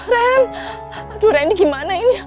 randy aduh randy gimana ini